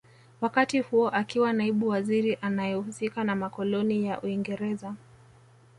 Wakati huo akiwa naibu waziri anaehusika na makoloni ya Uingereza